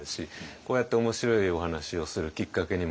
こうやって面白いお話をするきっかけにもなるし。